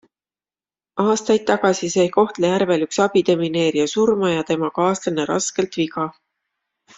Aastaid tagasi sai Kohtla-Järvel üks abidemineerija surma ja tema kaaslane raskelt viga.